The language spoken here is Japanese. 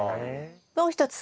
もう一つ。